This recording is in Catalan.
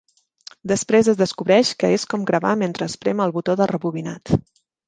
Després es descobreix que és com gravar mentre es prem el botó de rebobinat.